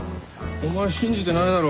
お前信じてないだろ。